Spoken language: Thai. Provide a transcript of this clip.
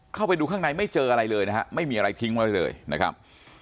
เข้าไปดูข้างในไม่เจออะไรเลยนะฮะไม่มีอะไรทิ้งไว้เลยนะครับ